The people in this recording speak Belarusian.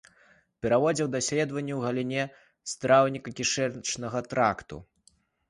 Праводзіў даследаванні ў галіне страўнікава-кішачнага тракту.